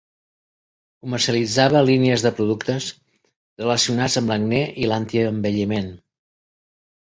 Comercialitzava línies de productes relacionats amb l'acne i l'antienvelliment.